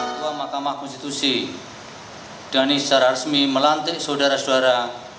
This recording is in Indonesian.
ketua mahkamah konstitusi dhani secara resmi melantik saudara saudara